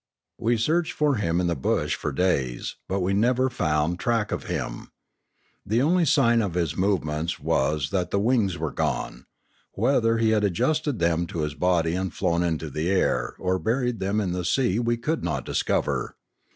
We searched for him in the bush for days, but we never found track of him. The only sign of his move ments was that the wings were gone. Whether he had adjusted them to his body and flown into the air or buried them in the sea we could not discover.